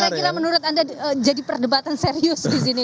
apa yang kira kira menurut anda jadi perdebatan serius di sini